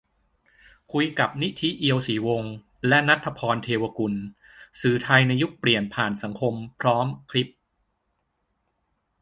คุยกับ นิธิ เอียวศรีวงศ์ และ ณัฏฐภรณ์ เทวกุล "สื่อไทยในยุคเปลี่ยนผ่านสังคม" พร้อมคลิป